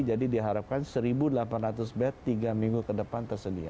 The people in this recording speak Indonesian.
jadi diharapkan seribu delapan ratus bed tiga minggu ke depan tersedia